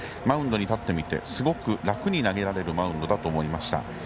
マウンドに立ってみてすごく楽に投げられるマウンドだと思いました。